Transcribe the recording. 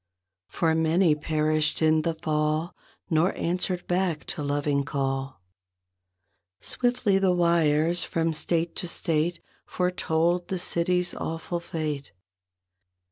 For many perished in the fall Nor answered back to loving call. Swiftly the wires from state to state 1 5 Foretold the city's awful fate.